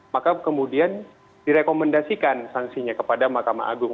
maka kemudian direkomendasikan sanksinya kepada mahkamah agung